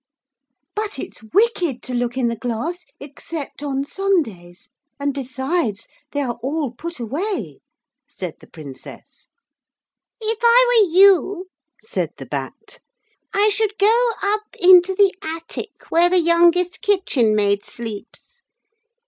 'But it's wicked to look in the glass except on Sundays and besides they're all put away,' said the Princess. 'If I were you,' said the Bat, 'I should go up into the attic where the youngest kitchenmaid sleeps.